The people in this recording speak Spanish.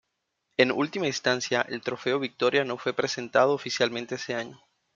En última instancia, el trofeo Viktoria no fue presentado oficialmente ese año.